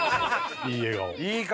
いい笑顔。